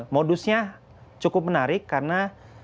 modusnya cukup menarik karena